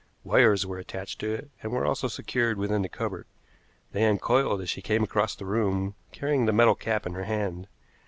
Wires were attached to it, and were also secured within the cupboard. They uncoiled as she came across the room carrying the metal cap in her hand.